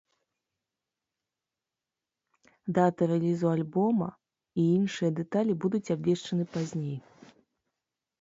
Дата рэлізу альбома і іншыя дэталі будуць абвешчаны пазней.